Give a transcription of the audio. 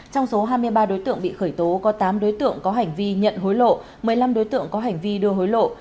trong số hai mươi ba đối tượng bị khởi tố có tám đối tượng có hành vi nhận hối lộ một mươi năm đối tượng có hành vi đưa hối lộ